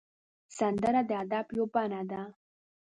سندره د ادب یو بڼه ده